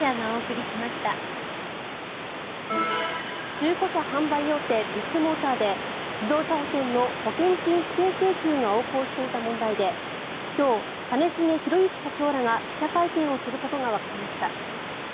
中古車販売大手ビッグモーターで自動車保険の保険金不正請求が横行していた問題で今日、兼重宏行社長らが記者会見をすることがわかりました。